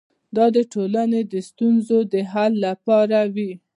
دا د ټولنې د ستونزو د حل لپاره وي.